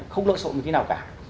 không lỡ sộn một cái nào cả